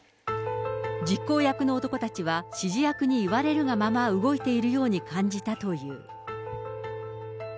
実行役の男たちは、指示役に言われるがまま動いているように感じたという。